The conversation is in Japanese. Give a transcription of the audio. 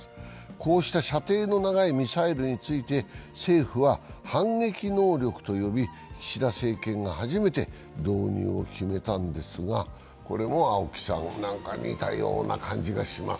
こうした射程の長いミサイルについて政府は、反撃能力と呼び、岸田政権が初めて導入を決めたんですが、これも青木さん、似たような感じがします。